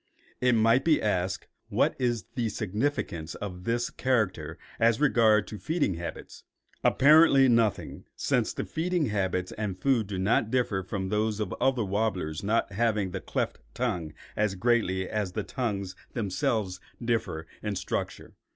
It might be asked, what is the significance of this character as regards feeding habits? Apparently nothing, since the feeding habits and food do not differ from those of other warblers not having the cleft tongue as greatly as the tongues themselves differ in structure.